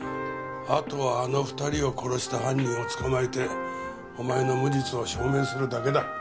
あとはあの２人を殺した犯人を捕まえてお前の無実を証明するだけだ。